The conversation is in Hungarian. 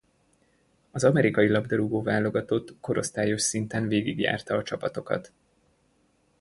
Az amerikai labdarúgó-válogatott korosztályos szinten végigjárta a csapatokat.